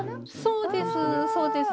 そうですそうです。